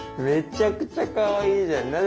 めちゃくちゃかわいいじゃん！